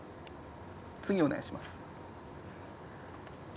次お願いします。